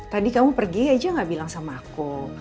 tadi kamu pergi aja gak bilang sama aku